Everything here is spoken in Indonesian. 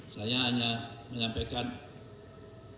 saya hanya menyampaikan permasalahan ini